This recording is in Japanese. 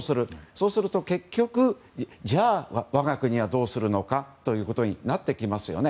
そうすると結局じゃあ、我が国はどうするのかということになってきますよね。